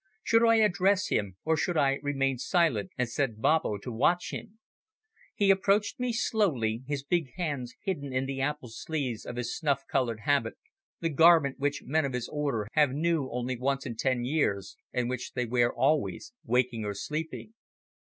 Should I address him, or should I remain silent and set Babbo to watch him? He approached me slowly, his big hands hidden in the ample sleeves of his snuff coloured habit, the garment which men of his order have new only once in ten years, and which they wear always, waking or sleeping.